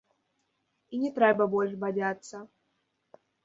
І не трэба больш бадзяцца.